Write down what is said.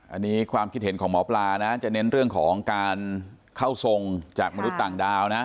อันนี้ความคิดเห็นของหมอปลานะจะเน้นเรื่องของการเข้าทรงจากมนุษย์ต่างดาวนะ